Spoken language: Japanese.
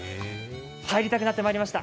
入りたくなってまいりました。